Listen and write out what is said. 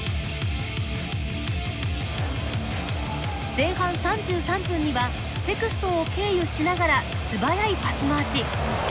前半３３分にはセクストンを経由しながら素早いパス回し。